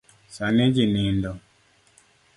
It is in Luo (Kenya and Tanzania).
Sani ji nindo.